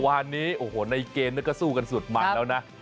วันนี้ในเกมก็สู้กันสุดมันแล้วนะ